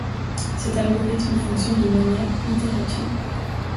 Cet algorithme fonctionne de manière itérative.